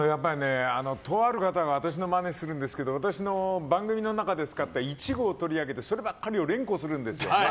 とある方が私のマネするんですけど私の番組の中で使った一部を取り上げてそればっかりを連呼するんですよ。